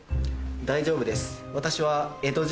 大丈夫です私は。